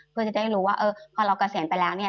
เพื่อจะได้รู้ว่าเออพอเราเกษียณไปแล้วเนี่ย